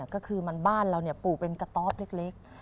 ก็คือบ้านเราปลูกเป็นกระต๊อบเล็ก